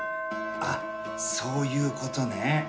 あ、そういうことね。